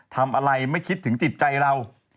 ทำอะไรไม่คิดถึงจิตใจเรา